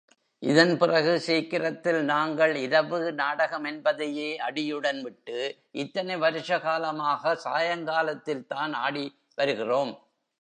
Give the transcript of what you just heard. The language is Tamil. இதன் பிறகு சீக்கிரத்தில் நாங்கள் இரவு நாடகமென்பதையே அடியுடன் விட்டு, இத்தனை வருஷ காலமாக, சாயங்காலத்தில்தான் ஆடி வருகிறோம்.